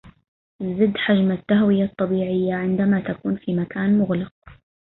زد حجم التهوية الطبيعية عندما تكون في مكان مغلق